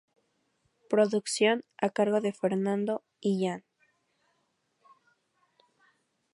Producción a cargo de Fernando Illán.